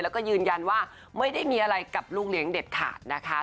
แล้วก็ยืนยันว่าไม่ได้มีอะไรกับลูกเลี้ยงเด็ดขาดนะคะ